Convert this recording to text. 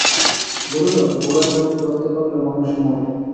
বলিল, গোড়ায় রোগ ধরতে পারলেও মানুষ মরে।